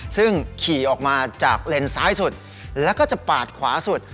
ซึ่งขี่ออกมาจากเลนซ้ายสุดแล้วก็จะปาดขวาสุด